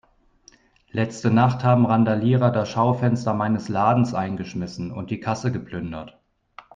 Letzte Nacht haben Randalierer das Schaufenster meines Ladens eingeschmissen und die Kasse geplündert.